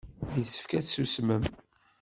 Yessefk ad tsusmem.